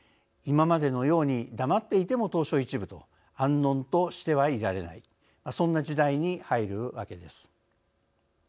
今までのように黙っていても東証１部と安穏としてはいられないそんな時代に入るわけです。